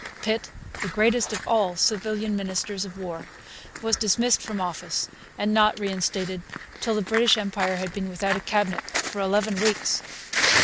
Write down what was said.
Pitt, the greatest of all civilian ministers of War, was dismissed from office and not reinstated till the British Empire had been without a cabinet for eleven weeks.